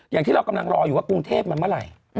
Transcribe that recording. อย่างที่เรากำลังรออยู่ว่ากรุงเทพมันเมื่อไหร่